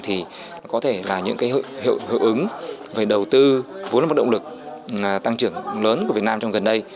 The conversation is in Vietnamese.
thì có thể là những cái hiệu ứng về đầu tư vốn là một động lực tăng trưởng lớn của việt nam trong gần đây